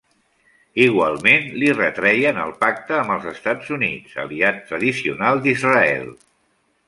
Igualment li retreien el pacte amb els Estats Units, aliat tradicional d'Israel.